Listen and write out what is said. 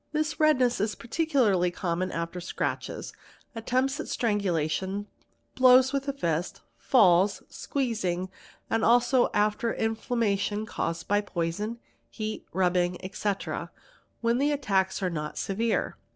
This redness is particularly common after scratches, attempts at — strangulation, blows with the fist, falls, squeezing, and also after inflam _ mation caused by poison, heat, rubbing, etc., when the attacks are not severe.